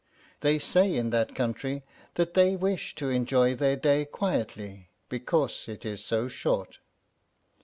They say in that country that they wish to enjoy their day quietly, because it is so short.